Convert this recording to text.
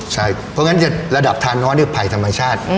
ใช่เพราะฉะนั้นระดับทานอสคือภัยธรรมชาติ